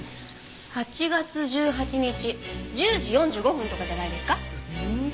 ８月１８日１０時４５分とかじゃないですか？